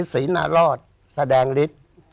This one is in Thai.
นี่สีนารอดแสดงฤทธิ์